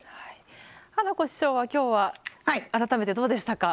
花子師匠は今日は改めてどうでしたか？